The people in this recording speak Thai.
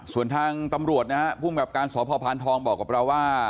ส่วนทางตำรวจนะฮะภูมิกับการสพพานทองบอกกับเราว่า